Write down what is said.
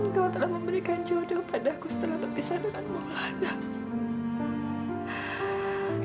engkau telah memberikan jodoh padaku setelah berpisah dengan bang molana